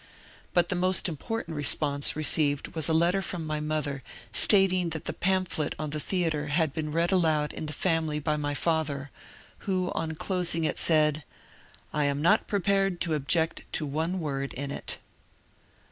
But the most important response received was a letter from my mother stating that the pamphlet on the theatre had been read aloud in the family by my father, who on dosing it said, " I am not prepared to object to one word in it."